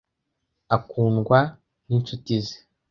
Akundwa n'inshuti ze.